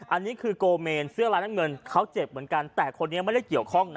อันนี้คือโกเมนเสื้อลายน้ำเงินเขาเจ็บเหมือนกันแต่คนนี้ไม่ได้เกี่ยวข้องนะ